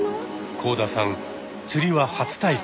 幸田さん釣りは初体験。